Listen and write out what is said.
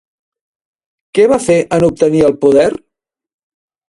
Què va fer en obtenir el poder?